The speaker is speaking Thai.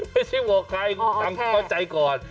ไม่ใช่บอกใครคุณเข้าใจก่อน